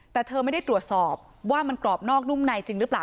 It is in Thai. แต่เธอไม่ได้ตรวจสอบว่ามันกรอบนอกนุ่มในจริงหรือเปล่า